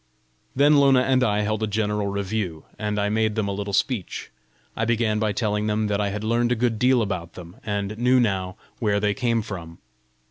Then Lona and I held a general review, and I made them a little speech. I began by telling them that I had learned a good deal about them, and knew now where they came from.